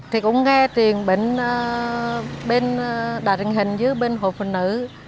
thì cũng nghe truyền bệnh đạt hình hình giữa bên hộ phụ nữ